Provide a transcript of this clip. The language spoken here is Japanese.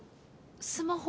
スマホ